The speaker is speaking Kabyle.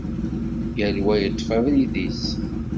Yal wa yeṭṭef abrid-is.